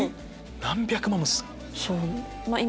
何百万もする⁉